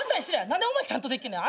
何でお前ちゃんとできんねん。